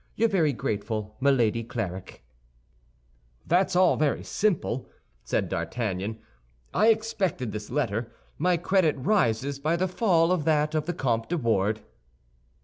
Your very grateful, MILADY CLARIK "That's all very simple," said D'Artagnan; "I expected this letter. My credit rises by the fall of that of the Comte de Wardes."